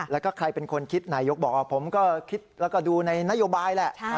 แล้วก็ใครเป็นคนคิดนายกบอกว่าผมก็คิดแล้วก็ดูในนโยบายแหละ